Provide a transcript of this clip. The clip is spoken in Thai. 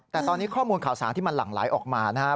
แต่ตอนนี้ข้อมูลข่าวสารที่มันหลั่งไหลออกมานะครับ